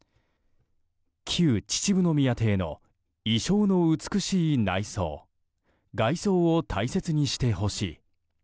旧秩父宮邸の意匠の美しい内装・外装を大切にしてほしい。